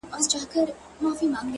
زغم د بریالیتوب پټ ځواک دی